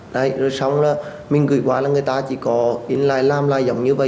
đấy rồi xong là mình gửi qua là người ta chỉ có làm lại giống như vậy